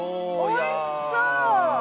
おいしそう。